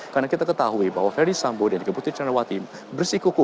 karena kita ketahui bahwa ferdis sambu dan putri candrawati bersikuku